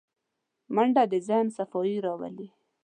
منډه د ذهن صفايي راولي